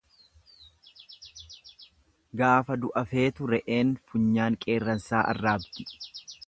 Gaafa du'a feetu re'een funyaan qeerransaa arraabdi.